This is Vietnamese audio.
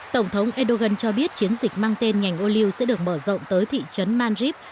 tổng thống erdogan cho biết chiến dịch mang tên nhành ô liu sẽ được mở rộng tới thị trấn manjib